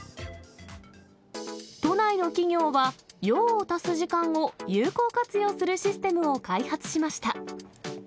都内の企業は、用を足す時間を有効活用するシステムを開発しました。